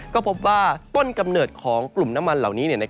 ก็พบว่าต้นกำเนิดของกลุ่มน้ำมันเหล่านี้